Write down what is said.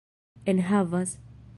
enhavas